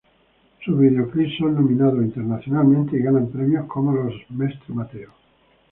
Sus videoclips son nominados internacionalmente y ganan premios como los Mestre Mateo.